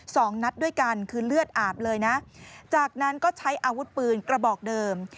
สองนัดด้วยกันคือเลือดอาบเลยนะจากนั้นก็ใช้อาวุธปืนกระบอกเดิม